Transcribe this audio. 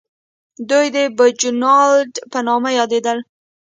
دوی د بچوانالنډ په نامه یادېدل.